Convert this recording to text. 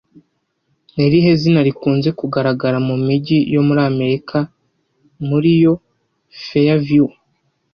Ni irihe zina rikunze kugaragara mu mijyi yo muri Amerika muri yo Fairview